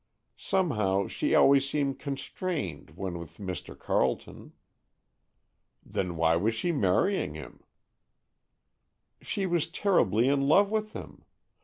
Somehow she always seemed constrained when with Mr. Carleton." "Then why was she marrying him?" "She was terribly in love with him.